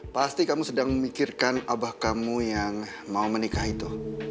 pasti kamu sedang memikirkan abah kamu yang mau menikah itu